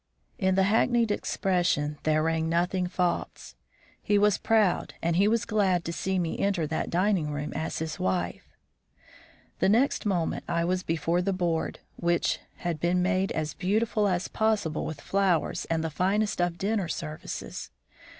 In the hackneyed expression there rang nothing false. He was proud and he was glad to see me enter that dining room as his wife. The next moment I was before the board, which had been made as beautiful as possible with flowers and the finest of dinner services.